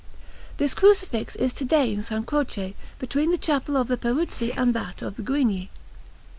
This Crucifix is to day in S. Croce, between the Chapel of the Peruzzi and that of the Giugni.